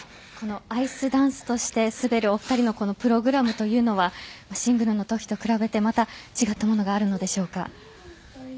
アイスダンスとして滑るお二人のプログラムというのはシングルのときと比べてまた違ったものがあるのでしょうか？